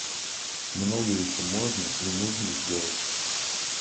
Многое еще можно и нужно сделать.